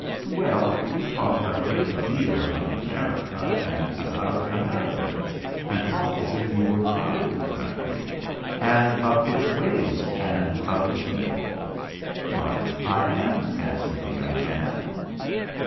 "Well, you talk a great deal about America and about Americans, and talk as if you were proud of the country, and of its ways, and of its people." "Why, I am," answered the young man.